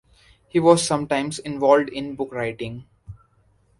He was sometimes involved in book writing.